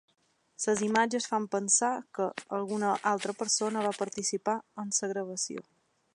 Les imatges fan pensar que alguna altra persona va participar en la gravació.